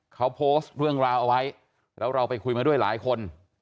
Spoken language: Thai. เขาโพสต์เรื่องราวเอาไว้แล้วเราไปคุยมาด้วยหลายคน